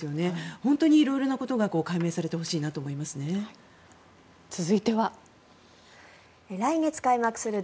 本当に色々なことが解明されてほしいなと思いますね。